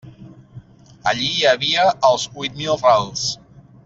Allí hi havia els huit mil rals.